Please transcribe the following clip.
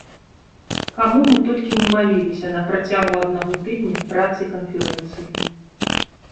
Каму мы толькі не маліліся на працягу аднаго тыдня працы канферэнцыі!